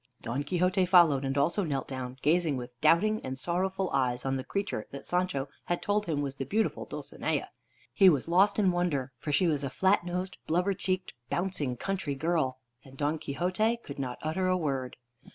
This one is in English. Don Quixote followed, and also knelt down, gazing with doubting and sorrowful eyes on the creature that Sancho had told him was the beautiful Dulcinea. He was lost in wonder, for she was a flat nosed, blubber cheeked, bouncing country girl, and Don Quixote could not utter a word.